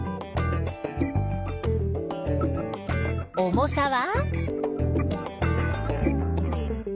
重さは？